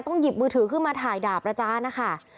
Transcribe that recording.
ต้องหยิบมือถือขึ้นมาถ่ายดาบแล้วจ้านะคะ